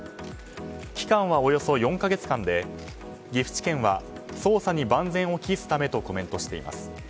期間は、およそ４か月間で岐阜地検は捜査に万全を期すためとコメントしています。